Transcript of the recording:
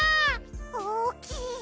おおきい！